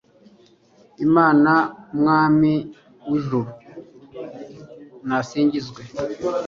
mana mwami w'ijuru, nasingizwe